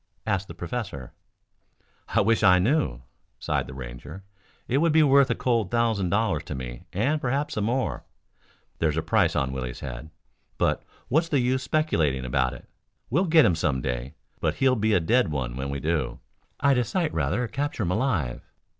asked the professor. "I wish I knew," sighed the Ranger. "It would be worth a cold thousand dollars to me and perhaps some more. There's a price on Willie's head. But what's the use speculating about it? We'll get him some day, but he'll be a dead one when we do. I'd a sight rather capture him alive."